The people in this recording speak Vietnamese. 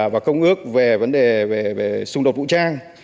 và công ước về vấn đề về xung đột vũ trang